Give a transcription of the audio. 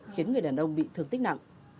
khiến người đàn ông bị thương tích nặng